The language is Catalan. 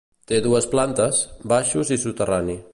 Té dues plantes, baixos i soterrani.